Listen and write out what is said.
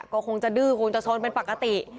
ก็คงจะดื้อคงจะโซนเป็นปกติ